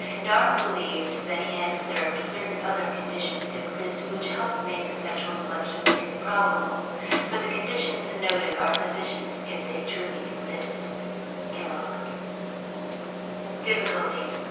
"Darwin believed that he had observed certain other conditions to exist which helped make the sexual selection theory probable, but the conditions noted are sufficient if they truly exist" (Kellogg). Difficulties.